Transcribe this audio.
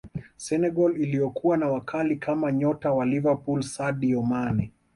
senegal iliyokuwa na wakali kama nyota wa liverpool sadio mane